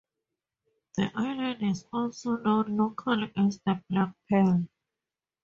The island is also known locally as the "black pearl".